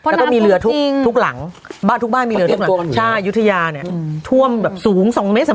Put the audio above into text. แล้วก็มีเรือทุกหลังบ้านทุกบ้านมีเรือเรียบหลังใช่ยุธยาเนี่ยท่วมแบบสูง๒เมตร